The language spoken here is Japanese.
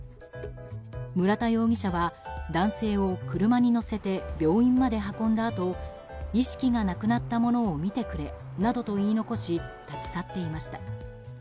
村田容疑者は男性を車に乗せて病院まで運んだあと意識がなくなった者を診てくれなどと言い残し立ち去っていました。